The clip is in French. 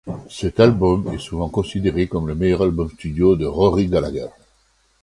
Cet album est souvent considéré comme le meilleur album studio de Rory Gallagher.